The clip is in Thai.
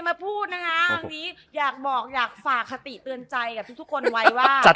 ไม่นำเพื่อนแล้วหรอ